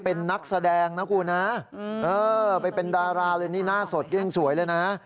ขอบคุณค่ะไปเป็นดาราเลยนี่หน้าสดยิ่งสวยเลยนะ